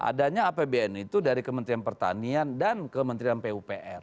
adanya apbn itu dari kementerian pertanian dan kementerian pupr